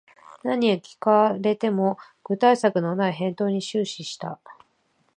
何を聞かれても具体策のない返答に終始した